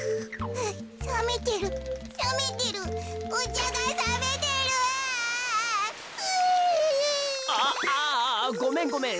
ああごめんごめん。